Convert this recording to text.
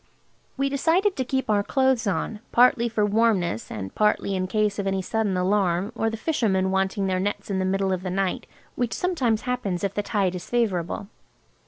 We decided to keep our clothes on, partly for warmness and partly in case of any sudden alarm or the fishermen wanting their nets in the middle of the night, which sometimes happens if the tide is favourable.